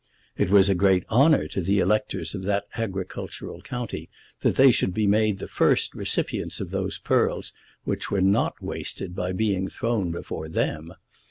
It was a great honour to the electors of that agricultural county that they should be made the first recipients of these pearls, which were not wasted by being thrown before them.